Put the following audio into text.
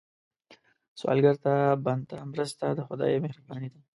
سوالګر ته بنده مرسته، د خدای مهرباني ده